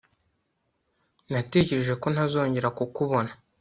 Natekereje ko ntazongera kukubona